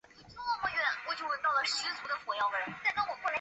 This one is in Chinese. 书中还介绍了各派戒律。